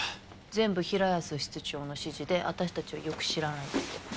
全部平安室長の指示で私たちはよく知らないって。